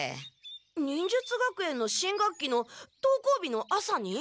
忍術学園の新学期の登校日の朝に？